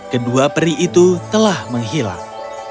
kedua peri itu telah menghilang